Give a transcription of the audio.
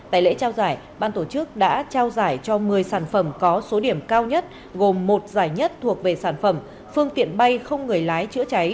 tại lễ trao giải ban tổ chức đã trao giải cho một mươi sản phẩm có số điểm cao nhất gồm một giải nhất thuộc về sản phẩm phương tiện bay không người lái chữa cháy